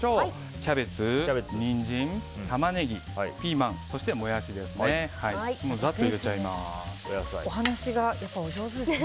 キャベツ、ニンジン、タマネギピーマン、モヤシですね。